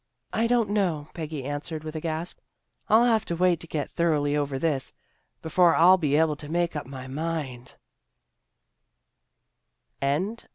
" I don't know," Peggy answered with a gasp. " I'll have to wait to get thoroughly over this, before I'll be able to make up my mind."